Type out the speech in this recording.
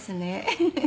フフフフ。